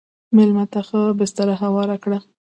مېلمه ته ښه بستر هوار کړه.